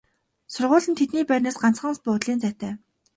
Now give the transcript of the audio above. Сургууль нь тэдний байрнаас ганцхан буудлын зайтай.